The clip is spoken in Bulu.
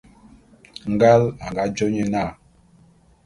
Ngal a nga jô nye na.